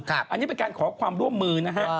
อันนี้เป็นการขอความร่วมมือนะฮะ